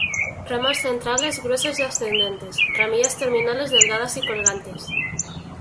Ramas centrales gruesas y ascendentes; ramillas terminales delgadas y colgantes.